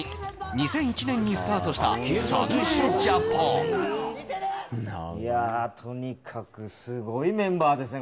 ２００１年にスタートした「サンデージャポン」いやとにかくすごいメンバーですね